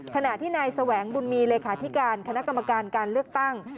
ขณะที่นายแสวงบุญมีเลขาธิการคณะกรรมการการเลือกตั้ง